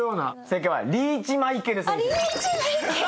正解はリーチマイケル選手です。